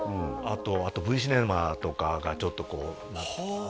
あとＶシネマとかがちょっとこうはあ